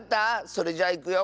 それじゃいくよ。